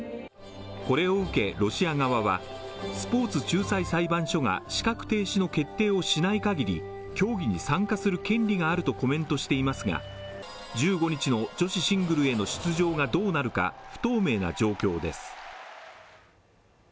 これを受け、ロシア側はスポーツ仲裁裁判所が資格停止の決定をしないかぎり競技に参加する権利があるとコメントしていますが、１５日の女子シングルへの出場がどうなるか不透明な状況です。